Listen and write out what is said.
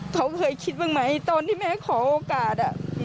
เขาเคยคิดบ้างไหมตอนที่แม่ขอโอกาส